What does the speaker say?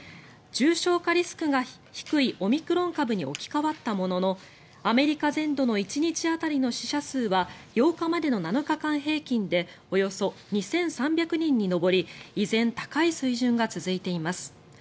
重症化リスクが低いオミクロン株に置き換わったもののアメリカ全土の１日当たりの死者数は８日までの７日間平均でおよそ２３００人に上り依然、高い水準が続いています。